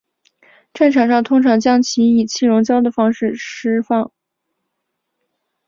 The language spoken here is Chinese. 战场上通常将其以气溶胶的方式施放。